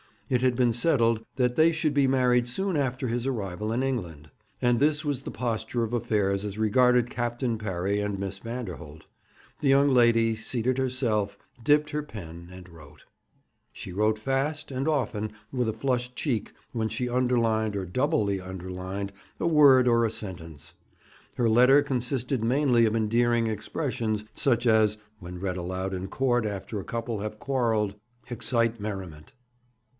It had been settled that they should be married soon after his arrival in England. And this was the posture of affairs as regarded Captain Parry and Miss Vanderholt. The young lady, seating herself, dipped her pen and wrote. She wrote fast, and often with a flushed cheek when she underlined, or doubly underlined, a word or a sentence. Her letter consisted mainly of endearing expressions, such as, when read aloud in court after a couple have quarrelled, excite merriment.